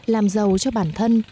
làm giàu cho bản thân